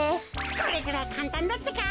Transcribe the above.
これぐらいかんたんだってか。